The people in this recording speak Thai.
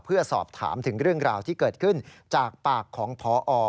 เพื่อสอบถามถึงเรื่องราวที่เกิดขึ้นจากปากของพอ